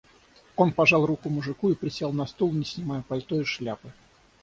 Он пожал руку мужику и присел на стул, не снимая пальто и шляпы.